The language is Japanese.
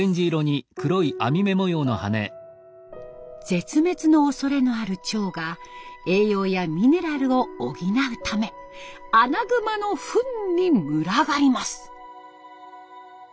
絶滅のおそれのあるチョウが栄養やミネラルを補うためアナグマの糞に群がります。